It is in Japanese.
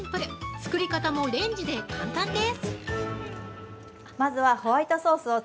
作り方もレンジで簡単です。